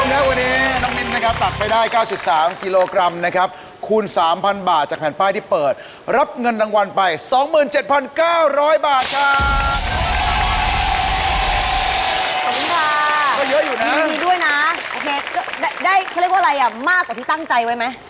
ที่วันนี้น้องมิ้นจะเป็นผู้ที่มีสิทธิ์